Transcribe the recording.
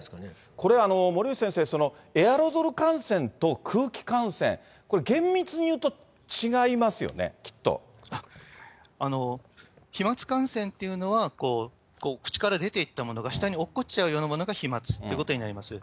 これ森内先生、エアロゾル感染と空気感染、これ、厳密にいう飛まつ感染というのは、口から出ていったものが、下に落っこちちゃうようなものが飛まつということになります。